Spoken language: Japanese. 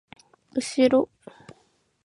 うしろ！